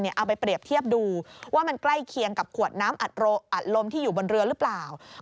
เอาไปเปรียบเทียบดูว่ามันใกล้เคียงกับขวดน้ำอัดลมที่อยู่บนเรือหรือเปล่า